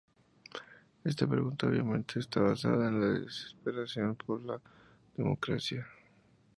Esta pregunta, obviamente, está basada en la desesperación por la democracia.